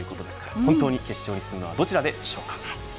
本当に決勝に進むのはどちらでしょうか。